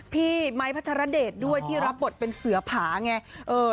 พี่ไมค์พัทรเดชด้วยที่รับบทเป็นเสือผาไง